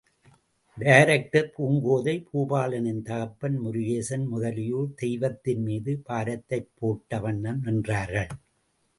Director, Poongothai, பூபாலனின் தகப்பன் முருகேசன் முதலியோர் தெய்வத்தின்மீது பாரத்தைப் போட்ட வண்ணம் நின்றார்கள்.